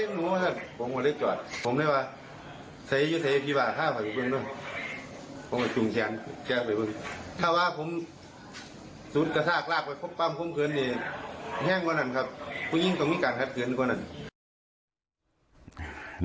ผู้หญิงต้องมีการฮัดเขือนกว่านั้น